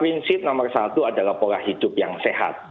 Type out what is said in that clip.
prinsip nomor satu adalah pola hidup yang sehat